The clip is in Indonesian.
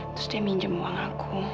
terus dia minjem uang aku